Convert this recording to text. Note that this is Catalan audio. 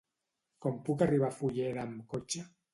Com puc arribar a Fulleda amb cotxe?